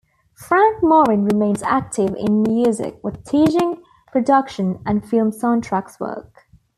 Frank Morin remains active in music, with teaching, production, and film soundtracks work.